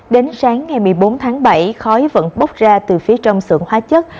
đến sáng ngày một mươi bốn tháng bảy khói vẫn bốc ra từ phía trong sưởng hóa chất